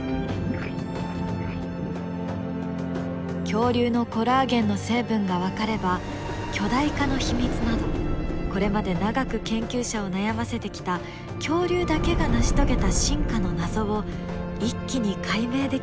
恐竜のコラーゲンの成分が分かれば巨大化の秘密などこれまで長く研究者を悩ませてきた恐竜だけが成し遂げた進化の謎を一気に解明できるかもしれないからです。